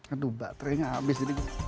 aduh baterainya habis